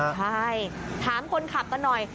ใช่ถามคนขับกันหน่อย